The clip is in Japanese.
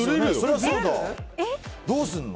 どうするの？